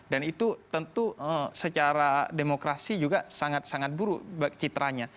dan itu tentu secara demokrasi juga sangat sangat buruk citranya